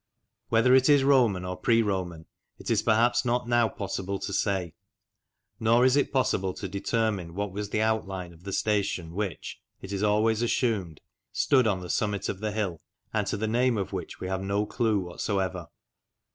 Whether it is Roman or pre Roman it is perhaps not now possible to say. Nor is it possible to determine what was the outline of the station which it is always assumed stood on the summit of the hill, and to the name of which we have no clue whatever.